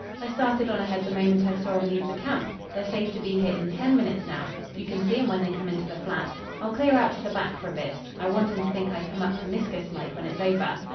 'I started on ahead the moment I saw 'em leave the camp. They're safe to be here in ten minutes now. You can see 'em when they come into the flat. I'll clear out to the back for a bit. I want 'em to think I come up permiskus like when it's over.'